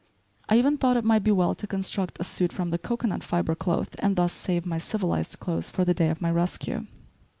I even thought it might be well to construct a suit from the cocoanut fibre cloth, and thus save my civilized clothes for the day of my rescue.